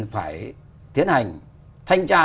phải tiến hành thanh tra